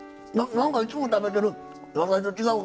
なんかいつも食べてる野菜と違う。